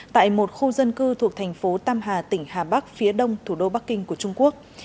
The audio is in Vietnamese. tại một khu dân cư thuộc thành phố tam hà tỉnh hà bắc phía đông thủ đô bắc kinh của trung quốc